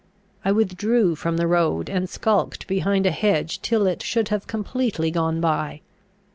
I withdrew from the road, and skulked behind a hedge till it should have completely gone by.